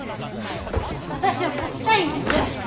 私は勝ちたいんです！